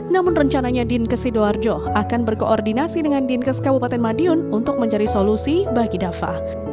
namun rencananya dinkes sidoarjo akan berkoordinasi dengan dinkes kabupaten madiun untuk mencari solusi bagi dafa